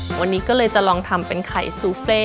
วันนี้ก็เลยจะลองทำเป็นไข่ซูเฟ่